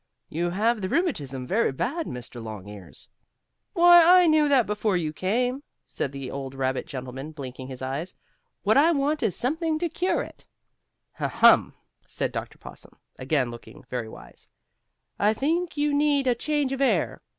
"You have the rheumatism very bad, Mr. Longears." "Why, I knew that before you came," said the old gentleman rabbit, blinking his eyes. "What I want is something to cure it." "Ha! Hum!" said Dr. Possum, again looking very wise. "I think you need a change of air.